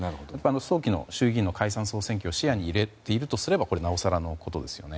早期の衆議院の解散・総選挙を視野に入れているとすればこれ、なおさらのことですよね。